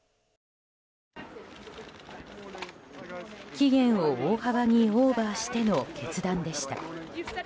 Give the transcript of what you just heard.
期限を大幅にオーバーしての決断でした。